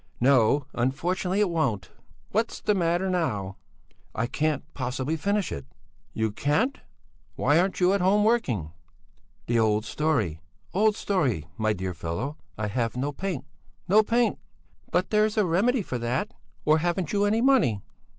"No, unfortunately, it won't." "What's the matter now?" "I can't possibly finish it." "You can't? Why aren't you at home working?" "The old, old story, my dear fellow! I have no paint! No paint!" "But there's a remedy for that! Or haven't you any money?"